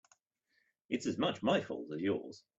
It's as much my fault as yours.